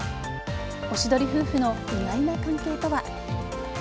おしどり夫婦の意外な関係とは。